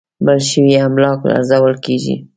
مړ شوي املاک ارزول کېږي.